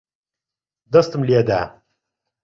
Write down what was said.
دەستم لێ دا.